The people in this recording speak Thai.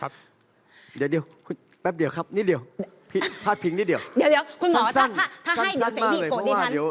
เดี๋ยวแหปปเดียวครับนิดเดียวภาพผิงนิดเดียว